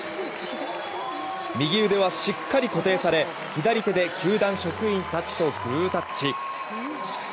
右腕はしっかり固定され、左手で球団職員たちとグータッチ。